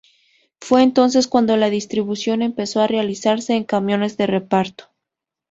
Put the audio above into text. Fue entonces cuando la distribución empezó a realizarse en camiones de reparto.